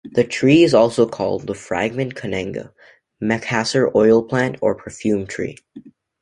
The tree is also called the fragrant cananga, Macassar-oil plant, or perfume tree.